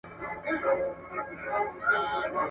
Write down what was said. څېړنې د درملنې پرمختګ ته لامل شوي.